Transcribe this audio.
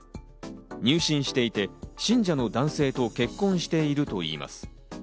入信していて、信者の男性と結婚しているといいます。